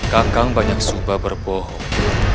kakang banyak sumba berbohong